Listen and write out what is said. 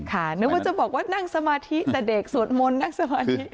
นึกว่าจะบอกว่านั่งสมาธิแต่เด็กสวดมนต์นั่งสมาธิ